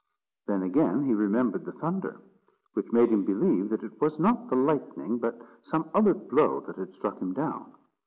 Then again, he remembered the thunder; which made him believe that it was not the lightning, but some other blow that had struck him down.